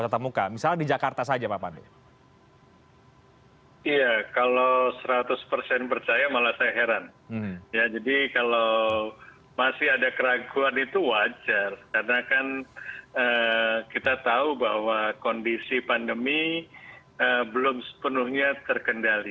kita tahu bahwa kondisi pandemi belum sepenuhnya terkendali